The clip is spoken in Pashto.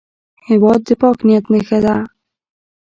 هېواد د پاک نیت نښه ده.